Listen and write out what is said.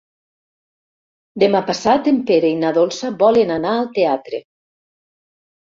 Demà passat en Pere i na Dolça volen anar al teatre.